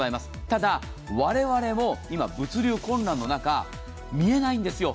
ただ我々も今、物流困難の中、見えないんですよ。